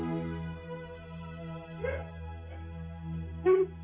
aku sudah berjalan